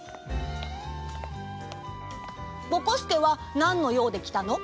ぼこすけはなんのようできたの？